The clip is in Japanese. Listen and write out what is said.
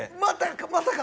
またか！